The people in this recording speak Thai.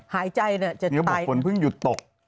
พี่เค้าบอกฝนเท่ายุทธ์ตก